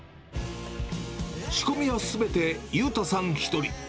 仕込みはすべて祐太さん一人。